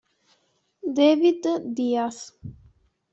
David Dias